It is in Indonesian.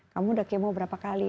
kamu udah kemo berapa kali